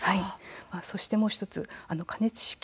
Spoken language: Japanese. そして、もう１つ加熱式